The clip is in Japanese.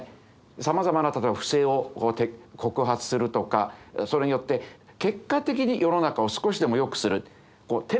さまざまな例えば不正を告発するとかそれによって結果的に世の中を少しでもよくする。